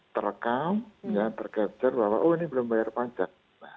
terekam tergantung bahwa ini belum bayar pajak